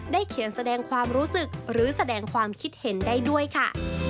เขียนแสดงความรู้สึกหรือแสดงความคิดเห็นได้ด้วยค่ะ